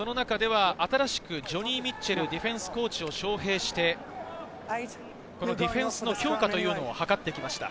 その中では新しくジョニー・ミッチェルディフェンスコーチを招へいして、このディフェンスの強化というのも図ってきました。